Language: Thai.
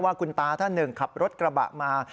ว่าคุณตาท่านหนึ่งขับรถกระบะมา